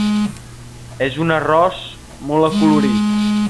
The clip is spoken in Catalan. És un arròs molt acolorit.